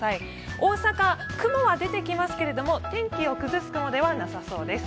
大阪、雲は出てきますけれども天気を崩す雲ではなさそうです。